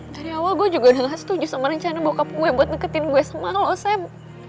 dari awal gue juga udah gak setuju sama rencana bokap gue buat neketin gue sama lo sam